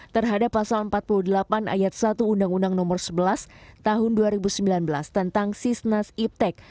terhadap pasal empat puluh delapan ayat satu undang undang nomor sebelas tahun dua ribu sembilan belas tentang sisnas iptek